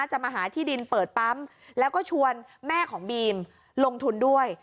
จะมาหาที่ดินเปิดปั๊มแล้วก็ชวนแม่ของบีมลงทุนด้วย